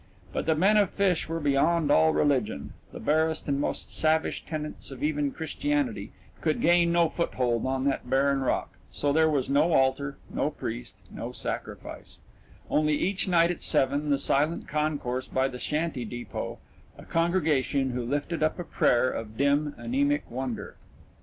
But the men of Fish were beyond all religion the barest and most savage tenets of even Christianity could gain no foothold on that barren rock so there was no altar, no priest, no sacrifice; only each night at seven the silent concourse by the shanty depot, a congregation who lifted up a prayer of dim, anaemic wonder.